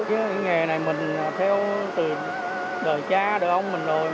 cái nghề này mình theo từ đời cha đời ông mình rồi